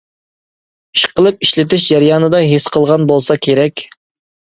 ئىشقىلىپ، ئىشلىتىش جەريانىدا ھېس قىلغان بولسا كېرەك.